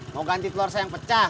mau ganti telur saya yang pecah